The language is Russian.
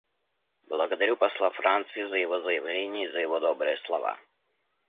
Благодарю посла Франции за его заявление и за его добрые слова.